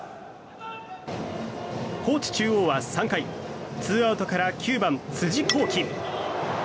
高知中央は３回ツーアウトから９番、辻昂希。